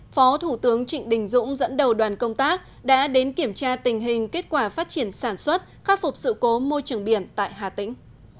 phó thủ tướng trịnh đình dũng dẫn đầu đoàn công tác đã đến kiểm tra tình hình kết quả phát triển sản xuất khắc phục sự cố môi trường biển tại hà tĩnh